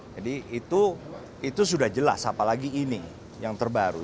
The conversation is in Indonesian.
jadi itu sudah jelas apalagi ini yang terbaru